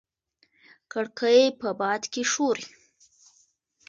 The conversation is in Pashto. کړکۍ په باد کې ښوري.